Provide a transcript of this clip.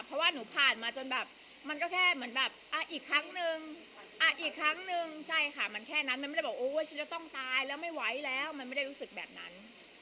เพราะว่าหนูผ่านมาจนแบบมันก็แค่เหมือนแบบอีกครั้งนึงอีกครั้งนึงใช่ค่ะมันแค่นั้นมันไม่ได้บอกโอ้ว่าฉันจะต้องตายแล้วไม่ไหวแล้วมันไม่ได้รู้สึกแบบนั้น